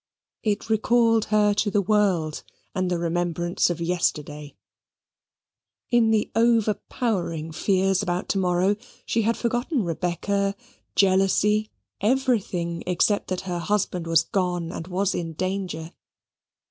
It recalled her to the world and the remembrance of yesterday. In the overpowering fears about to morrow she had forgotten Rebecca jealousy everything except that her husband was gone and was in danger.